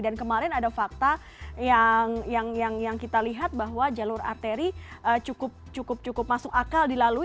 dan kemarin ada fakta yang kita lihat bahwa jalur arteri cukup masuk akal dilalui